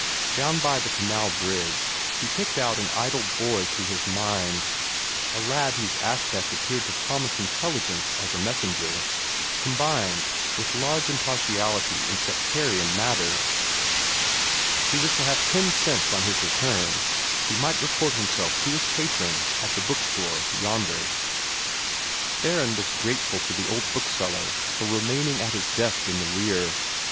Down by the canal bridge he picked out an idle boy to his mind a lad whose aspect appeared to promise intelligence as a messenger, combined with large impartiality in sectarian matters. He was to have ten cents on his return; and he might report himself to his patron at the bookstore yonder. Theron was grateful to the old bookseller for remaining at his desk in the rear.